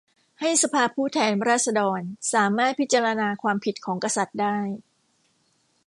ให้สภาผู้แทนราษฎรสามารถพิจารณาความผิดของกษัตริย์ได้